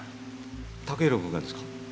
剛洋君がですか？